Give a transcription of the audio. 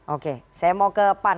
oke saya mau ke pan